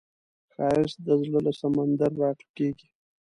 ښایست د زړه له سمندر راټوکېږي